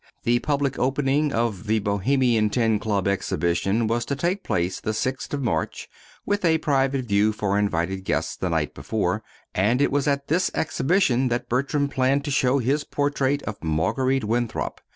The public opening of the Bohemian Ten Club Exhibition was to take place the sixth of March, with a private view for invited guests the night before; and it was at this exhibition that Bertram planned to show his portrait of Marguerite Winthrop.